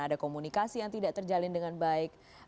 ada komunikasi yang tidak terjalin dengan baik